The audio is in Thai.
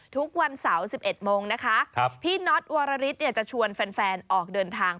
ทุกวันเสาร์๑๑โมงนะคะพี่น็อตวรริสจะชวนแฟนออกเดินทาง